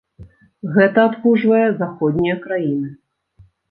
Гэта адпужвае заходнія краіны.